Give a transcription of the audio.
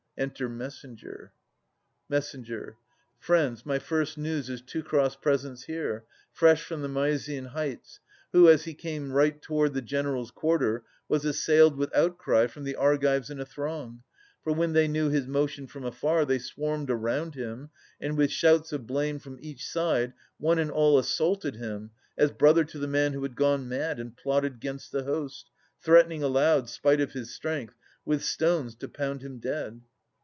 Enter Messenger. Messenger. Friends, my first news is Teucer's presence here, Fresh from the Mysian heights ; who, as he came Right toward the generals' quarter, was assailed With outcry from the Argives in a throng : For when they knew his motion from afar They swarmed around him, and with shouts of blame From each side one and all assaulted him As brother to the man who had gone mad And plotted 'gainst the host, — threatening aloud, Spite of his strength, with stones to pound him dead.